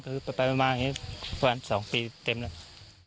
คือเป็นประมาณนี้๒ปีเต็มแล้ว